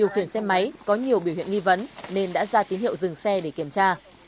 trên xe máy có nhiều biểu hiện nghi vấn nên đã ra tín hiệu dừng xe để kiểm tra